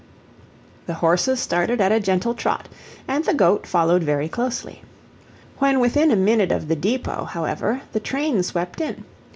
The horses started at a gentle trot, and the goat followed very closely. When within a minute of the depot, however, the train swept in.